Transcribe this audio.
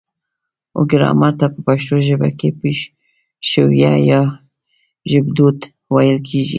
و ګرامر ته په پښتو ژبه کې پښويه يا ژبدود ويل کيږي